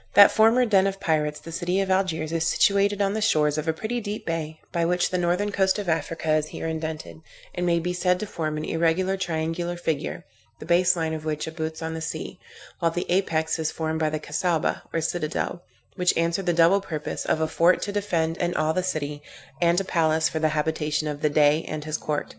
That former den of pirates, the city of Algiers is situated on the shores of a pretty deep bay, by which the northern coast of Africa, is here indented, and may be said to form an irregular triangular figure, the base line of which abuts on the sea, while the apex is formed by the Cassaubah, or citadel, which answered the double purpose of a fort to defend and awe the city, and a palace for the habitation of the Dey and his court.